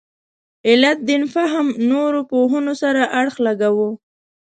علت دین فهم نورو پوهنو سره اړخ لګاوه.